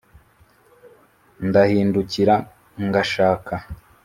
Ndahindukira ngashaka